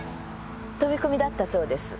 飛び込みだったそうです。